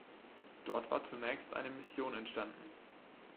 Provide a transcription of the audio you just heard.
Dort war zunächst eine Mission entstanden.